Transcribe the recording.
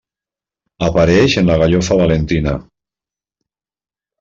Apareix en la gallofa valentina.